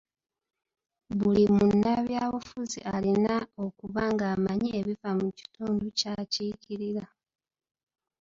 Buli munnabyabufuzi alina okuba ng'amanyi ebifa ku kitundu ky'akiikirira.